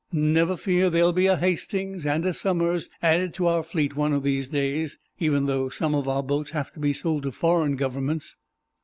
Never fear; there'll be a 'Hastings' and a 'Somers' added to our fleet one of these days—even though some of our boats have to be sold to foreign governments."